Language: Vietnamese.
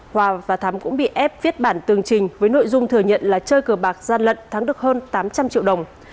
hòa và thắm cũng bị ép viết bản tường trình với nội dung thừa nhận là chơi cờ bạc gian lận thắng được hơn tám trăm linh triệu đồng